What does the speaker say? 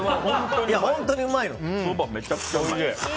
そば、めちゃくちゃおいしい。